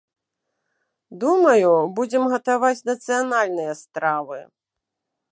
Думаю, будзем гатаваць нацыянальныя стравы.